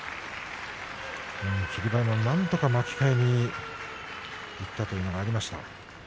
霧馬山はなんとか巻き替えにいったというのがありました。